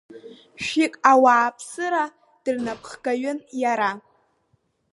Шәҩык ауааԥсыра дырнаԥхгаҩын иара.